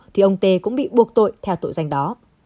thì ông tê cũng bị buộc tội theo tội danh đó